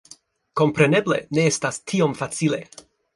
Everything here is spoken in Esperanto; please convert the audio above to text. Kompreneble, ne estas tiom facile.